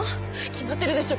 決まってるでしょ